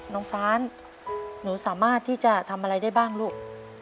ฟ้านหนูสามารถที่จะทำอะไรได้บ้างลูก